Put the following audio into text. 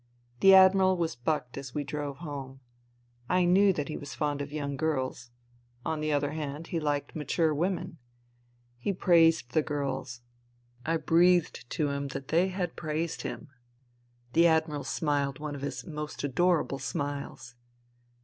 The Admiral was bucked as we drove home. I knew that he was fond of young girls. On the other hand, he liked mature women. He praised the girls. I breathed to him that they had praised him. The Admiral smiled one of his most adorable smiles.